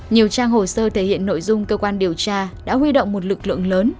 nhiều trang hồ sơ thể hiện nội dung cơ quan điều tra đã huy động một lực lượng lớn